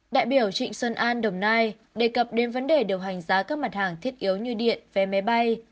đại biểu trịnh xuân an đồng nai đề cập đến vấn đề điều hành giá các mặt hàng thiết yếu như điện vé máy bay